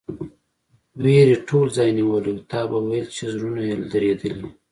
وېرې ټول ځای نیولی و، تا به ویل چې زړونه یې درېدلي.